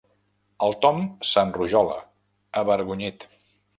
El Tom s'enrojola, avergonyit.